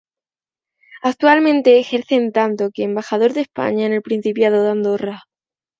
Actualmente ejerce en tanto que Embajador de España en el Principado de Andorra.